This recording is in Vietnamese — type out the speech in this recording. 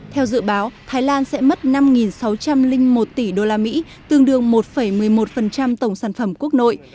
theo dự báo thái lan sẽ mất năm sáu trăm linh một tỷ usd tương đương một một mươi một tổng sản phẩm quốc nội